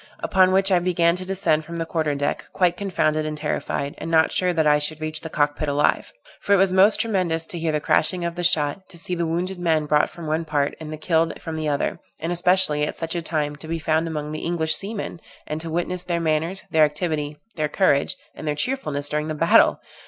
Upon which I began to descend from the quarter deck, quite confounded and terrified, and not sure that I should reach the cock pit alive; for it was most tremendous to hear the crashing of the shot, to see the wounded men brought from one part, and the killed from the other; and especially, at such a time, to be found among the English seamen! and to witness their manners, their activity, their courage, and their cheerfulness during the battle!